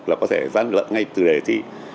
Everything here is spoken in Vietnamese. là có thể gian lận ngay từ đề thi